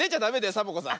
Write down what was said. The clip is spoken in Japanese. サボ子さん。